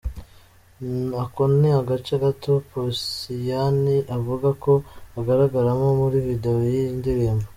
Ako ni agace gato Posiyani avuga ko agaragaramo muri video y'iyi ndirimbo.